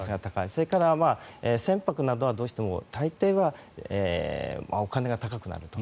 それから船舶などは、どうしても大抵はお金が高くなると。